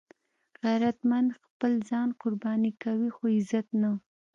غیرتمند خپل ځان قرباني کوي خو عزت نه